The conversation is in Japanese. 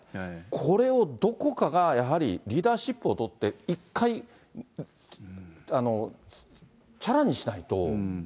これをどこかが、やはりリーダーシップを取って、一回、ちゃらにしないと。